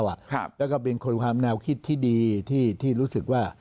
แล้วก็เป็นคนความแนวคิดที่ดีที่รู้สึกว่า